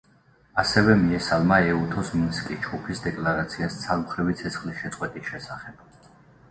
ასევე მიესალმა ეუთოს მინსკის ჯგუფის დეკლარაციას ცალმხრივი ცეცხლის შეწყვეტის შესახებ.